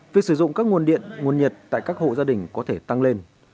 việc sử dụng các nguồn điện nguồn nhiệt tại các hộ gia đình có thể tăng lên